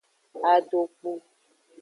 Adokpu.